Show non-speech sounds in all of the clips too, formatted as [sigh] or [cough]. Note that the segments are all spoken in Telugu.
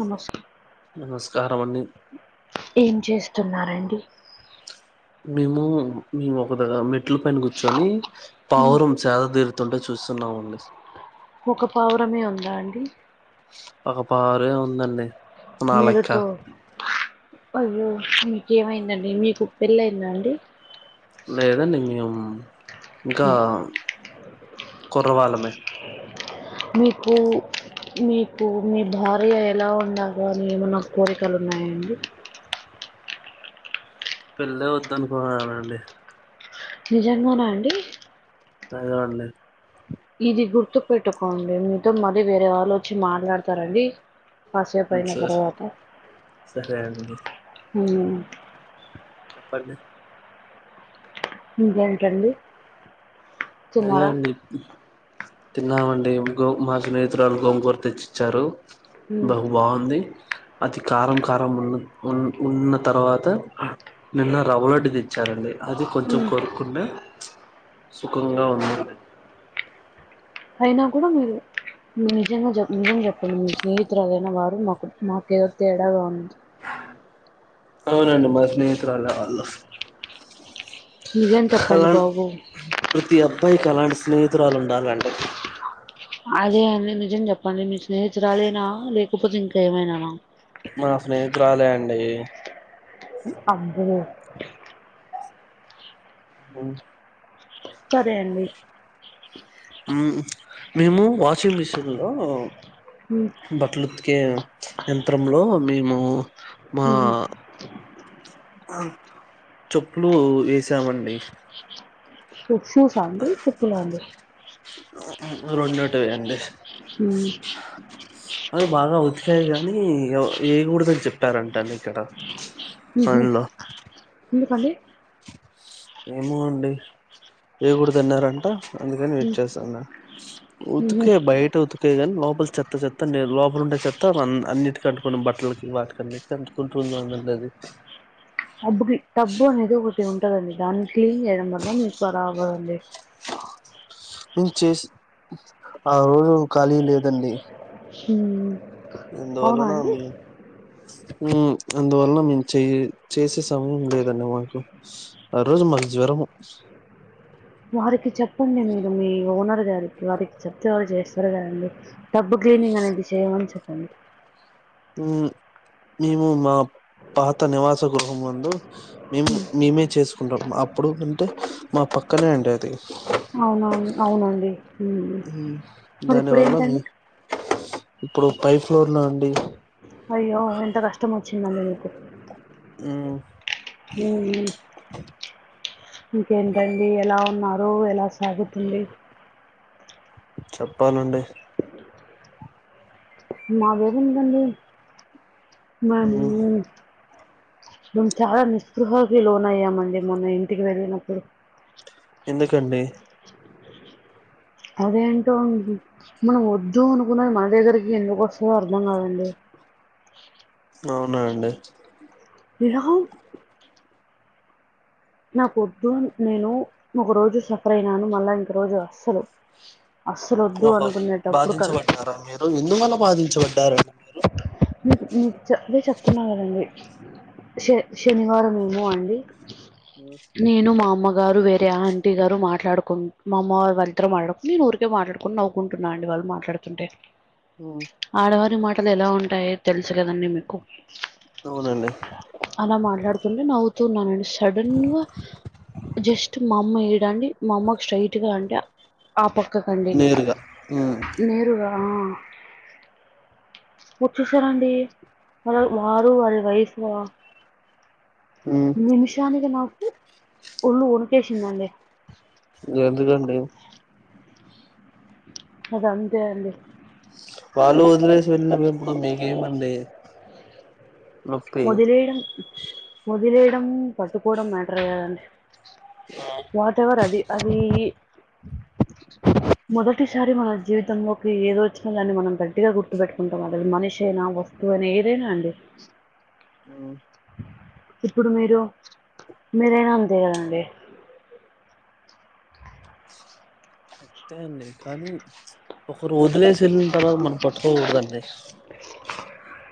నమస్ నమస్కారం అండి ఏం చేస్తున్నారండి? మేము మేము ఒకదా మెట్ల పైన కూర్చొని పావురం సేద తీరుతుంటే చూస్తున్నామండి. ఒక పావురమే ఉందా అండి? ఒక పారె ఉందండి. నా లెక్క మీరుతో అయ్యో మెకేమైదండి, మీకు పెళ్ళయిందండి? లేదండి మేం ఇంకా కుర్ర వాళ్ళమే. మీకు మీకు మీ భార్య ఎలా ఉండాల అని ఏమన్నా కోరికలు ఉన్నాయ అండి? పెళ్లే వద్దనుకున్నానండి. నిజంగాన అండి? నిజమండీ ఇది గుర్తు పెట్టుకోండి. మీతో మళ్ళీ వేరే వాళ్ళు వచ్చి మాట్లాడతారండి. కాసేపైనా సరే తరువాత సరే అండి హుం చెప్పండి ఇంకేంటండి సర్లే తిన్నారా అండి తిన్నామండి గో మా స్నేహితురాలు గోంగూర తెచ్చిచ్చారు. ఉమ్, బహు బాగుంది. అది కారం కారం ఉన్న ఉన్ ఉన్న తర్వాత నిన్న రవ్వలడ్దు తెచ్ చ్చారండి అది కొంచెం ఉమ్. కోరుక్కున్న కుంగా ఉందండి అయినా కూడ మీరు నిజంగ చే నిజం చెప్పండి మీ స్నేహితురాలైన వారు మాకు మాకేదో తేడాగా ఉంది. అవునండి మా స్నేహితురాలే వాళ్ళు నిజం చెప్పండి అలా బాబు ప్రతి అబ్బాయికి అలాంటి స్నేహితురాలు ఉండాలండి. అదే అండి నిజం చెప్పండి నీ స్నేహితురాలేనా లేకపోతే ఇంక ఏమైనానా? మా స్నేహితురాలే అండి అబ్బో హ్మ్ సరే అండి హ్మ్ మేము వాషింగ్ మిషిన్లో హ్మ్ బట్లు ఉతికే యంత్రంలో మేము మా ఉమ్ ఆ చెప్పులు వేసామండి. షూ షూసా అండి, చెప్పులా అండి? రెండోటే అండి హ్మ్ అవి బాగా ఉతికాయి గానీ ఈ యో ఏయ్యగోడదని చెప్పారంట అండి ఇక్కడ. ఉహు పనిలో ఎందుకండి? ఏమో అండి ఏయ్యగూడదు అన్నారంట. అందుకని వెయిట్ చేస్తాన్న ఉమ్ ఉహు ఉతికే బయట ఉతుక ఉతికే కానీ లోపల చెత్త చెత్త అండి లోపల ఉండే చెత్త ఆన్ అన్నిటికి అంటుకొని బట్టలకి వాటికి ఆన్నిటికీ కొంటుంది అండి ఆది టబ్బుకి టబ్బు అనేది ఒకటి ఉంటదండి దాన్ని క్లీన్ చేయడం వల్ల మీకు బరాబర్ అండి ఇం చేసి అవును ఖాళీ లేదండి హ్మ్ ఇందువల్లనా మీ ఉ అందువల్ల మేము చే చేసే సమయం లేదండి మాకు ఆ రోజు మాకు జ్వరము వారికి చెప్పండి మీరు మీ ఓనర్ గారికి వారికి చెప్తే వాళ్ళు చేస్తారు కదండి టబ్బు క్లీనింగ్ అనేది చెయ్యమని చెప్పండి హ్మ్ మేము మా పాత నివాస గృహం నందు మేము మేమే చేసుకుంటాం అప్పుడు అంటే మా పక్కనే అండి అది అవునవును అవునండి హ్మ్ మరి దాని ఇప్పుడు వల్ల మీ ఏంటండి ఇప్పుడు పై ఫ్లోర్లో అండి అయ్యె ఎంత కష్టం వచ్చిందండి మీకు హ్మ్ హ్మ్ హ్మ్ ఇంకేంటండి ఎలా ఉన్నారు ఎలా సాగుతుంది చెప్పాలండి మాది ఏముందండి మ్ మాములుగానే మేము చాలా నిస్పృహకి లోను అయ్యామండి మొన్న ఇంటికి వెళ్ళినప్పుడు ఎందుకండి అదేంటో అండి మనం వద్దు అనుకున్నది మన దగ్గరికి ఎందుకు వస్తదో అర్థం కాదండి అవునా అండి విరహం నాకు ఒద్దు నేను ఒక రోజు సఫర్ అయినాను మళ్ళ ఇంకో రోజు అస్సలు అస్సలొద్దు ఓహో అనుకునేటప్పుడు కాదు బాధించబడ్డారా మీరు ఎందువల్ల బాధించబడ్డారు మీక్ మీకు అదే చెప్తున్నా కదండి శే శనివారం ఏమో అండి ఉ నేను మా అమ్మగారు వేరే ఆంటీ గారు మాట్లాడుకుం మా అమ్మ వాళ్ళు ఇద్దరూ మాటాడు నేను ఊరికే మాట్లాడుకొని నవ్వుకుంటున్న అండి వాల్ మాట్లాడుతుంటే ఓ ఆడవారి మాటలు ఎలా ఉంటాయో తెలుసు కదండి మీకు అవునండి అలా మాట్లాడుతుంటె నవ్వుతూన్నాను అండి సడన్ ఉవ్వా జస్ట్ మా అమ్మ ఈడ అండి మా అమ్మకు స్ట్రైట్గా అంటే ఆ పక్కకండి నేరుగా మ్ నేరుగా ఆ వొచ్చేసారండీ వా వారు వారి వైప్ ఉ నిమిషానికి నాకు ఒళ్ళు ఒనికేసిందండి ఎందుకండి అది అంతే అండి వాళ్ళు వదిలేసి వెళ్ళినప్పుడు మీకేమండీ వదిలేయడం వదిలేయడమూ పట్టుకోవడం మ్యాటర్ కాదండి వాట్ ఎవర్ అది అదీ [inaudible] మొదటిసారి మన జీవితంలోకి ఏదొచ్చినా దాన్ని మనం గట్టిగా గుర్తుపెట్టుకుంటాం అది మనిషైనా వస్తు ఓ ఏధైనా అండి మ్ ఇప్పుడు మీరు మీరైనా అంతే కదండి అంతే అండి కానీ ఒకరు వదిలేసి వెళ్ళిన తర్వాత మనం పట్టుకోకూడదండి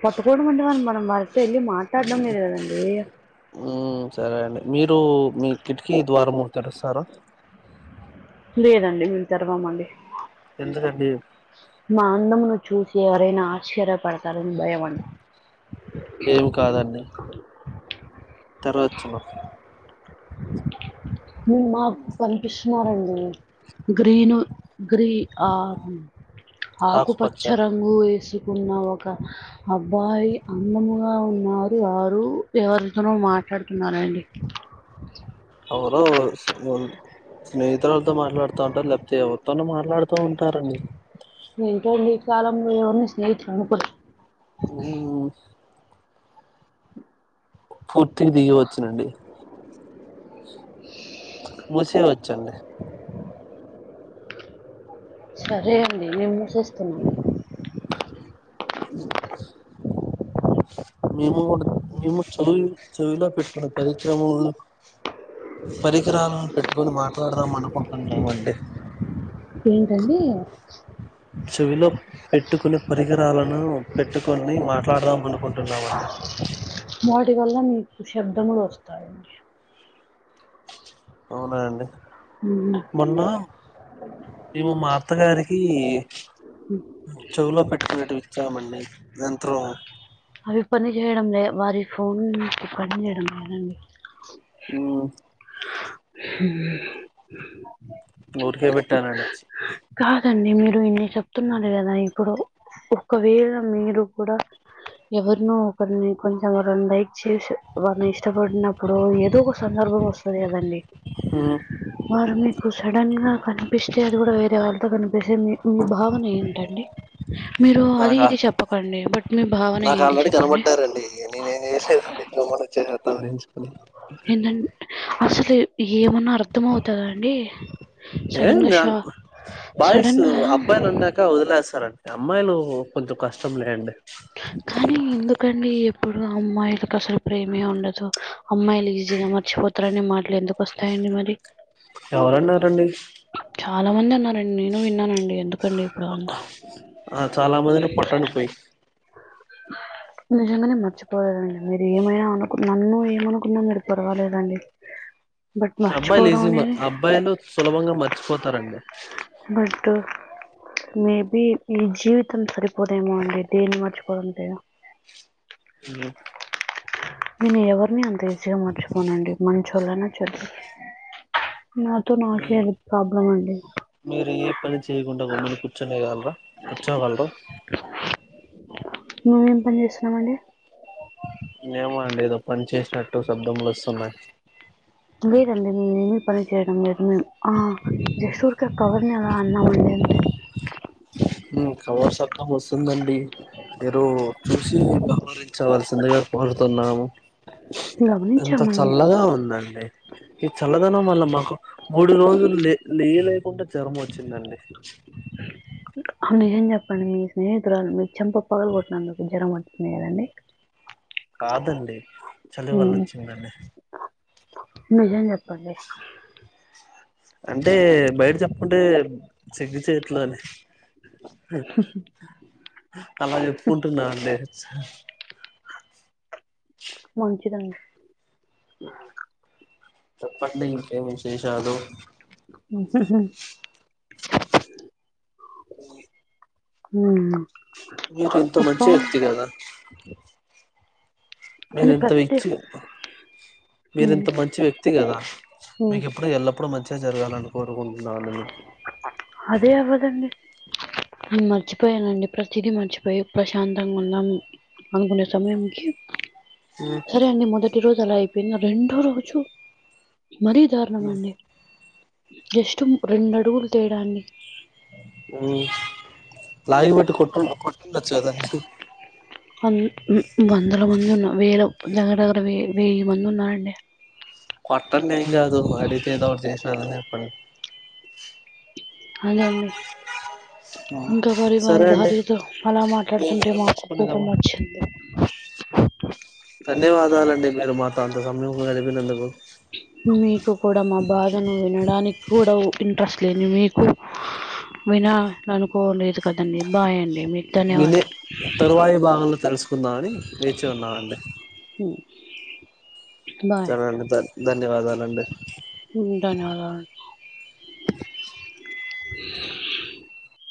పట్టుకోడమంటే మన మనం వారితే ఎల్లి మాట్లాడ్డం లేదు కదండీ మ్ సరే అండి మీరూ మీ కిటికీ ద్వారం తెరుస్తార లేదండి మేము తెరవమండి ఎందుకండీ మా అందమును చూసి ఎవరైనా ఆశ్చర్యపడతారని భయం అండి ఏం కాదండి తెరవచ్చును నువ్వు మాక్ కనిపిస్తున్నారండి గ్రీను గ్రీ ఆ ఆకుపచ్చ రంగు వేసుకున్న ఒక అబ్బాయి అందముగా ఉన్నారు వారు ఎవరితోనో మాట్లాడుతున్నారండి ఓహో శుభం స్నేహితులతో మాట్లాడతా ఉంటరు లేకపోతే ఎవరితోనో మాట్లాడతా ఉంటారండి ఏంటో ఈ కాలంలో ఎవరిని స్నేహితులు అనుకోరు ఊ పూర్తిగా దిగివచ్చునండి [inaudible] మూసేయ్ వచ్చండి సరే అండి నేను మూసేస్తున్నాను మేము కూడా మేము చదువు చదువులో పెట్టిన పరికారములను పరికరాలను పెట్టుకుని మాట్లాడదాం అనుకుంటున్నామండి ఏంటండీ చెవిలో పెట్టుకునె పరికరాలను పెట్టుకొని మాట్లాడదాం అనీ కుంటున్నామండి వాటి వల్ల మీకు శబ్దములు వస్తాయా అవునా అండి ఉమ్. మొన్నా ఇవి మా అత్తగారికి చెవులో పెట్టుకునేటివి ఇచ్చామండీ యంత్రం అవి పని జేయడం లే వారి ఫోన్ పని చేయడం లేదండి మ్ మ్ ఊరికే పెట్టానండి కాదండి మీరు ఇన్ని చెప్తున్నార్ గదా ఇప్పుడు ఒకవేళ మీరు కుడ ఎవర్నో ఒకరిని కొంచం లైక్ చేసె వాడ్ని ఇష్టపడినప్పుడు ఏదో ఒక సందర్భం వస్తది కదండీ ఉమ్ వారు మీకు సడన్ గా కన్పిస్ అచ్చే అది గుడ వేరే వాళ్ళ తో కన్పిస్తే మీ మీ భావన ఏంటండి మీరూ అదీ నాకా ఇదీ చెప్పకండి బట్ మీ భావన ఏంటి చెప్పండి కనబడ్డారండీ ఇగ నేనేం జేసేదండి గమ్మున వచ్చేస్నా తలదించుకొని. ఏన్నంట్ అసలు ఏమన్నా అర్థమవుతదా అండీ ఏం గాద్ సడన్ బాయ్సు గా అబ్బాయ్ నున్న కా వదిలేస్తారండి అమ్మాయిలూ కొంచం కష్టం లేండి. కానీ ఎందుకండీ ఎప్పుడు అమ్మాయిల్ కసలు ప్రేమే ఉండదు అమ్మాయిలు ఈజీగా మర్చిపోతారనే మాటలు ఎందుకొస్తాయండి మరీ? ఎవరన్నారండీ? చాలా మంది అన్నారండి. నేనూ విన్నానండీ. ఎందు అ ఆ చాలా మందిని పట్టండి పొయ్ నిజంగనే మర్చిపోలేరండి. మీరు ఏమైనా అనుకు నన్నూ ఏమనుకున్నా మీరు పర్వాలేదండీ. అబ్బాయ్లు ఈసీ మ అబ్బాయిలు సులభంగా మర్చిపోతారండి. బటు మేబీ ఈ జీవితం సరిపోదేమో అండీ దేన్ని మర్చిపోదంతే హు నేను ఎవర్నీ అంత ఈజీగా మర్చుపోనండీ మంచోళ్ళైనా చెడ్ నాద్ మాకేరు ప్రాబ్లం అ మీరు ఏ పని చేయకుండ గమ్మున కూర్చొనేయగలరా కూర్చోగలరా? నువ్వేం పని జేస్తున్నవ్ మలి? ఏమో అండీ ఏదో పని చేసినట్టూ శబ్దములొస్తున్నయ్. లేదండీ మేమేమీ పని చేయడం లేదు మేం ఆ జస్టు ఊర్కే కవర్ని అలా అన్ న్నామండీ అంతే ఉ కవర్ సబ్దం వస్తుందండీ. మీరూ చూసీ వ్యవహరించవలసిందిగా కోరుతున్నాము. ఎంత గమనించామండి చల్లగా ఉందండీ. ఈ చల్లదనం వల్ల మాకు మూడు రోజులు లే లేయ లేకుండ జరం వచ్చిందండీ. ఆ నిజం జెప్పండి మీ స్నేహితురాల్ మీ చెంప పగలగొట్టినందుకు జ్వరం వచ్చింది గదండీ. కాదండీ చలి ఉమ్, వళ్లొచ్చిందండీ. నిజం జెప్పండీ అంటే బైట చెప్కుంటే సిగ్గు చేట్లు అని అలా జెప్పుకుంటున్నా అండీ మంచిదండి చెప్పండీ ఇంకేం విశేషాలూ ఉమ్, హు ఊ ఊ మీరింత మంచి వ్యక్తి కదా కానీ మీరింత ప్రతి విచ్చు ఉమ్, మీరింత మంచి వ్యక్తి గదా, ఉమ్, మీకెప్పుడూ ఎల్లమ్మ ఎప్పుడు మంచిగా జరగాలని కోరుకుంటున్నా నేను తండి ఉ మర్చిపోయానండి ప్రతిదీ మర్చిపోయి ప్రశాంతంగా ఉందం అనుకునే సమయం కి హ్మ్ సరే అండి మొదటి రోజు అలా అయిపోయింది, రెండు రోజు మరీ దారుణం అండి. జస్టు రెండు అడుగులు తేడా అండి హ్మ్ లాయి వెట్టి కొట్టు కొట్టుండొచ్చు కదా అన్ని ఉమ్ వందల మంది ఉన్నం వేల దగ్గర దగ్గర వెయి వెయ్యి మంది ఉన్నారండి కొట్టండి ఏం కాదు అడిగితే ఏదోకటి చేసినానని చెప్పండి అదే అండి ఇంకా మరి వాళ్ళ సరే అండి భార్యతో అలా మీ మాట్లాడుతుంటే వివరం మాకు కోపం నేర్చుకునేదామా వచ్చింది ధన్యవాదాలండి మీరు మాతో అంత సమయం గడిపినందుకు మీకు కూడా మా బాధను వినడానికి కూడా ఇంట్రెస్ట్ లేని మీకు వినాలనుకోలేదు కదండి బాయ్ అండి మీకు వినే ధన్యవాదాలు తరువాయి భాగంలో తెలుసుకుందామని వేచి ఉన్నామండి హ్మ్ సరే అండి ద ధన్యవాదాలండి ధన్యవాదాలండి